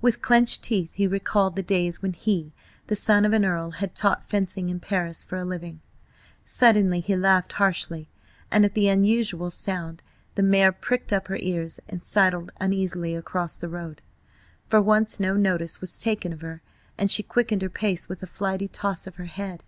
With clenched teeth he recalled the days when he, the son of an Earl, had taught fencing in Paris for a living. ... Suddenly he laughed harshly, and at the unusual sound the mare pricked up her ears and sidled uneasily across the road. For once no notice was taken of her, and she quickened her pace with a flighty toss of her head.